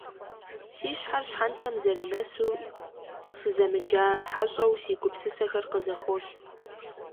Си щхьэр щхьэнтэм зэрынэсу, сызэмыджа хьэщӏэу си гупсысэхэр къызэхуос.